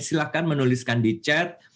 silahkan menuliskan di chat